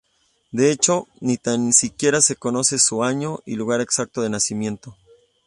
De hecho, ni tan siquiera se conoce su año y lugar exacto de nacimiento.